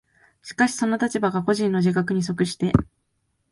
しかしその立場が個人の自覚に即して